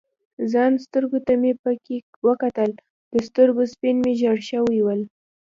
ځان سترګو ته مې پکې وکتل، د سترګو سپین مې ژړ شوي ول.